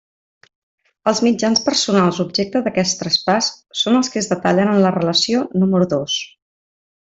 Els mitjans personals objecte d'aquest traspàs són els que es detallen en la relació número dos.